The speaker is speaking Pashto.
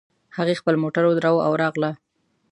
هغې خپلې موټر ودراوو او راغله